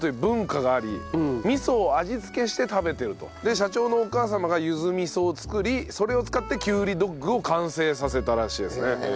社長のお母様がゆず味噌を作りそれを使ってきゅうりドッグを完成させたらしいですね。